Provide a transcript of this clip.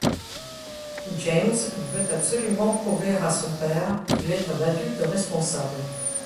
James veut absolument prouver à son père qu'il est un adulte responsable.